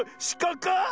しかか？